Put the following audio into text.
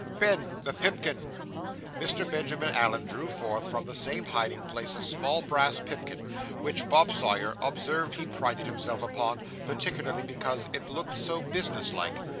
'Ben, the pipkin!' Mr. Benjamin Allen drew forth, from the same hiding place, a small brass pipkin, which Bob Sawyer observed he prided himself upon, particularly because it looked so business like.